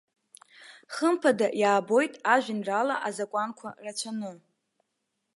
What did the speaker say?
Хымԥада иаабоит ажәеинраала азакәанқәа рацәаны.